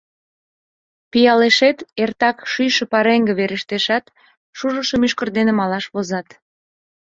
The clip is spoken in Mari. «Пиалешет» эртак шӱйшӧ пареҥге верештешат, шужышо мӱшкыр дене малаш возат.